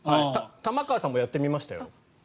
玉川さんもやってみましたよ。